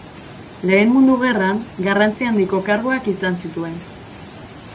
Lehen Mundu Gerran, garrantzi handiko karguak izan zituen.